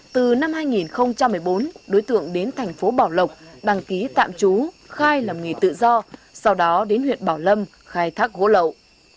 từ năm hai nghìn một mươi bốn đối tượng đến thành phố bảo lộc đăng ký tạm trú khai làm nghề tự do sau đó đến huyện bảo lâm khai thác gỗ lậu